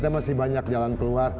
masih banyak jalan keluar